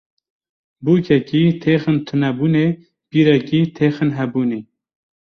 Bûkekî têxin tunebûnê, pîrekî têxin hebûnê